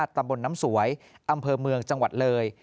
ตำบลน้ำสวยอำเภอเมืองจังหวัดเลย